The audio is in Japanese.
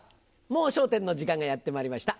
『もう笑点』の時間がやってまいりました。